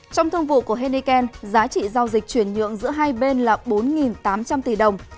trong thương vụ của henneken giá trị giao dịch chuyển nhượng giữa hai bên là bốn tám trăm linh tỷ đồng